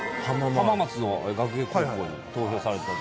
浜松学芸高校に投票されてた。